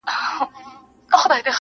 دا کیسې چي دي لیکلي زموږ د ښار دي -